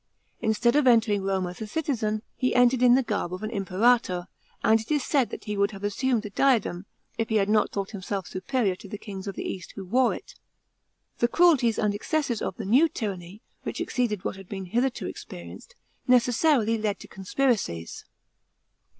Instead of entering Rome as a citizen, he entered in the garb of an imperator; and it it said that he would have assumed the diadem, if he had not thought himself superior to the kings of the east who wore it. The cruelties and excesses of the new tyranny, which exceeded what had been hither to experienced, necessarily led to conspiracies.